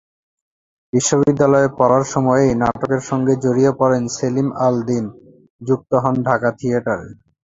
বিশ্ববিদ্যালয়ে পড়ার সময়েই নাটকের সঙ্গে জড়িয়ে পড়েন সেলিম আল দীন, যুক্ত হন ঢাকা থিয়েটারে।